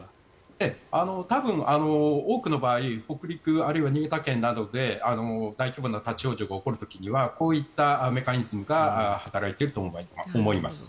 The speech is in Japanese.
多分、多くの場合北陸あるいは新潟県などで大規模な立ち往生が起こる時にはこういったメカニズムが働いていると思います。